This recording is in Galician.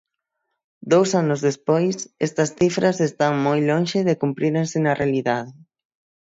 Dous anos despois, estas cifras están moi lonxe de cumprírense na realidade.